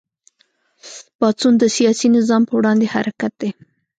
پاڅون د سیاسي نظام په وړاندې حرکت دی.